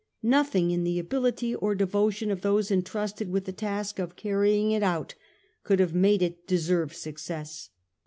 Nothing in the ability or devotion of those entrusted with the task of carrying it out, could have made it deserve success.